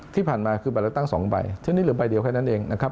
ที่ผ่านมาคือบัตรเลือกตั้ง๒ใบเช่นนี้เหลือใบเดียวแค่นั้นเองนะครับ